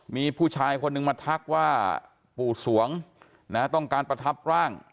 มีผู้ชายคนนึงมาทักว่าปู่สวงต้องการประทับร่าง